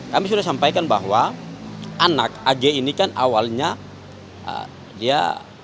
kami sudah sampaikan bahwa anak ag ini kan awalnya dia